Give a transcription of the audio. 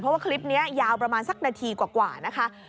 เพราะว่าคลิปนี้ยาวประมาณสักนาทีกว่านะคะ